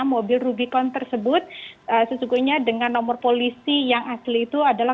mobil rubicon tersebut sesungguhnya dengan nomor polisi yang asli itu adalah